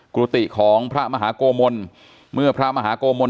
กุฏิของพระมหากโมน